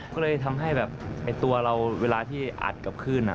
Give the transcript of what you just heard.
ก็เลยทำให้แบบตัวเราเวลาที่อัดกับคลื่น